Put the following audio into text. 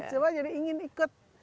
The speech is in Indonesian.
semua jadi ingin ikut